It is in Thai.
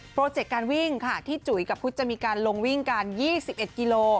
เจกต์การวิ่งค่ะที่จุ๋ยกับพุทธจะมีการลงวิ่งกัน๒๑กิโล